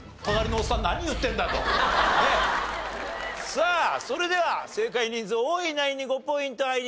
さあそれでは正解人数多いナインに５ポイント入ります。